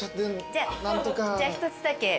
じゃあ１つだけ。